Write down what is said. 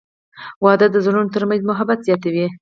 • واده د زړونو ترمنځ محبت زیاتوي.